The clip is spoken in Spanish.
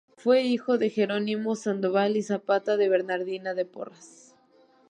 Fue hijo de Jerónimo Sandoval y Zapata y de Bernardina de Porras.